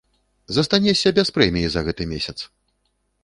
Застанешся без прэміі за гэты месяц!